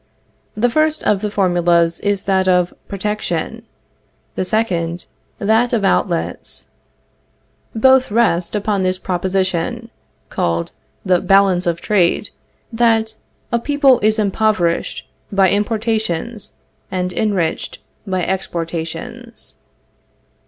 The first of the formulas is that of Protection; the second that of Outlets. Both rest upon this proposition, called the Balance of Trade, that "A people is impoverished by importations and enriched by exportations."